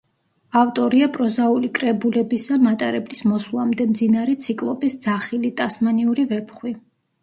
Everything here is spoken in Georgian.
ავტორია პროზაული კრებულებისა „მატარებლის მოსვლამდე“, „მძინარე ციკლოპის ძახილი“, „ტასმანიური ვეფხვი“.